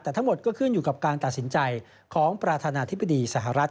แต่ทั้งหมดก็ขึ้นอยู่กับการตัดสินใจของประธานาธิบดีสหรัฐ